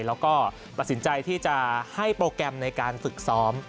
แล้วก็ตัดสินใจที่จะให้โปรแกรมในการฝึกซ้อม